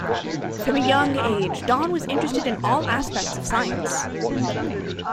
From a young age Don was interested in all aspects of science.